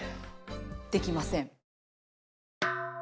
できません。